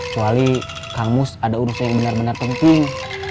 kecuali kang mus ada urusan yang benar benar penting